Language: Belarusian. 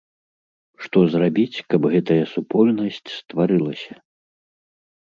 Што зрабіць, каб гэтая супольнасць стварылася?